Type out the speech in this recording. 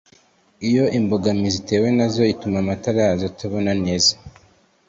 iyo imbogamizi itewe nazo ituma amatara yazo atabona neza.